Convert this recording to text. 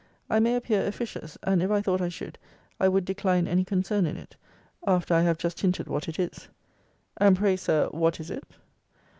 I may appear officious; and if I thought I should, I would decline any concern in it, after I have just hinted what it is. And pray, Sir, what is it?